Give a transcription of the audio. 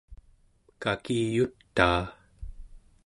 kakiyutaa